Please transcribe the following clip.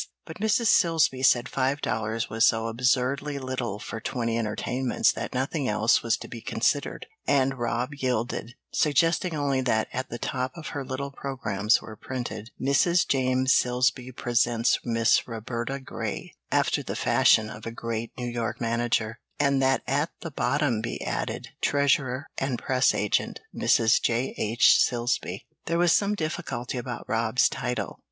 But Mrs. Silsby said five dollars was so absurdly little for twenty entertainments that nothing else was to be considered, and Rob yielded, suggesting only that at the top of her little programmes were printed: "Mrs. James Silsby presents Miss Roberta Grey," after the fashion of a great New York manager, and that at the bottom be added: "Treasurer and Press Agent, Mrs. J. H. Silsby." There was some difficulty about Rob's title.